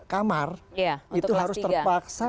kamar itu harus terpaksa